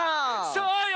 そうよ！